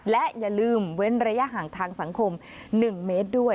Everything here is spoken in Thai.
และอย่าลืมเว้นระยะห่างทางสังคม๑เมตรด้วย